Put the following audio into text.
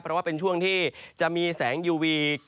เพราะว่าเป็นช่วงที่จะมีแสงยูวี